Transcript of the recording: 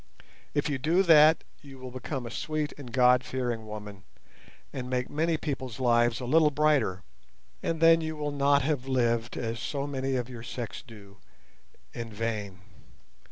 If you do that you will become a sweet and God fearing woman, and make many people's lives a little brighter, and then you will not have lived, as so many of your sex do, in vain.